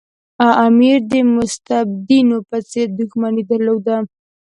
امیر د مستبدینو په څېر دښمني درلوده.